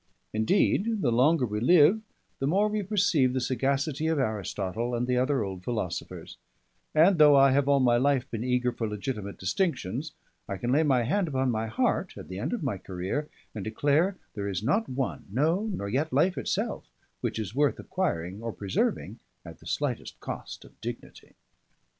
Indeed, the longer we live, the more we perceive the sagacity of Aristotle and the other old philosophers; and though I have all my life been eager for legitimate distinctions, I can lay my hand upon my heart, at the end of my career, and declare there is not one no, nor yet life itself which is worth acquiring or preserving at the slightest cost of dignity.